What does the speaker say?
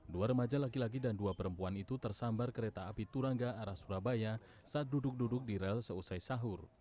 dua remaja laki laki dan dua perempuan itu tersambar kereta api turangga arah surabaya saat duduk duduk di rel seusai sahur